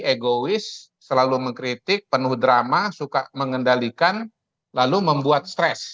egois selalu mengkritik penuh drama suka mengendalikan lalu membuat stres